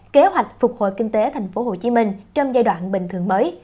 kế hoạch phục hồi kinh tế tp hcm trong giai đoạn bình thường mới